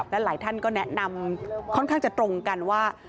และหลายท่านก็แนะนำค่อนข้างจะตรงกันว่า